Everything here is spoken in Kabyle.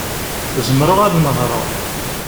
Zemreɣ ad nehṛeɣ.